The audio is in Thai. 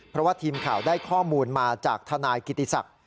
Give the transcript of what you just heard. เพราะว่าทีมข่าวได้ข้อมูลมาจากทนายกิติศักดิ์